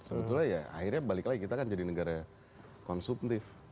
sebetulnya ya akhirnya balik lagi kita kan jadi negara konsumtif